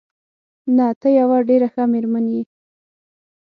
نه، ته یوه ډېره ښه مېرمن یې.